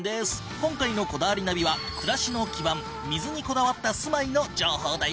今回の『こだわりナビ』は暮らしの基盤水にこだわった住まいの情報だよ。